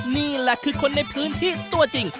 นี่แหละคือคนในพื้นที่ตัวจริง